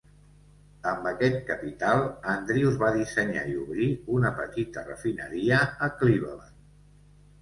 Amb aquest capital, Andrews va dissenyar i obrir una petita refineria a Cleveland.